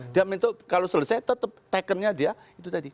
dia minta kalau selesai tetap tekennya dia itu tadi